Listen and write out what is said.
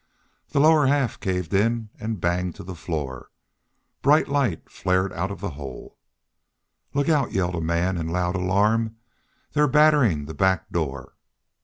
The lower half caved in and banged to the floor. Bright light flared out the hole. "Look out!" yelled a man, in loud alarm. "They're batterin' the back door!"